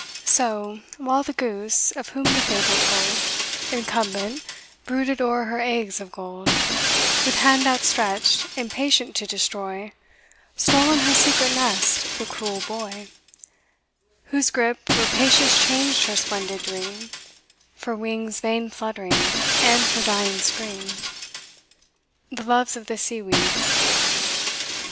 So, while the Goose, of whom the fable told, Incumbent, brooded o'er her eggs of gold, With hand outstretched, impatient to destroy, Stole on her secret nest the cruel Boy, Whose gripe rapacious changed her splendid dream, For wings vain fluttering, and for dying scream. The Loves of the Sea weeds.